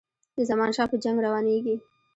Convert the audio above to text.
د زمانشاه په جنګ روانیږي.